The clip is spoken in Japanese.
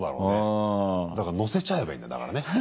だから乗せちゃえばいいんだだからね。